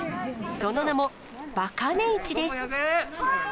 その名も、バカ値市です。